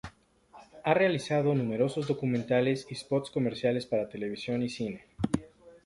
Ha realizado numerosos documentales y spots comerciales para televisión y cine.